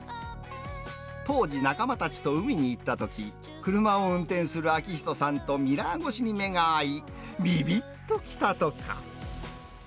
当時、仲間たちと海に行ったとき、車を運転する明人さんとミラー越しに目が合い、びびっときたとか。